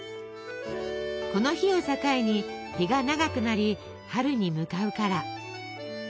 この日を境に日が長くなり春に向かうから。